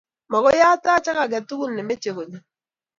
mokoi ataach ak ge tuguk ne meche gonyo.